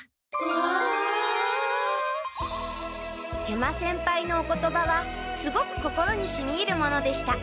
食満先輩のお言葉はすごく心にしみいるものでした。